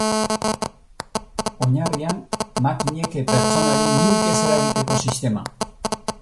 Oinarrian, makinek pertsonari minik ez eragiteko sistema.